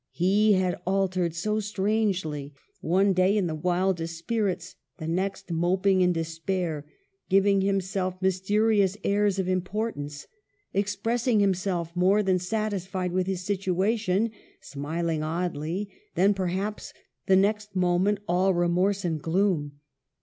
He had altered so strangely ; one day in the wildest spirits, the next moping in despair, giving himself mysterious airs of im portance, expressing himself more than satisfied with his situation, smiling oddly, then, perhaps, the next moment, all remorse and gloom.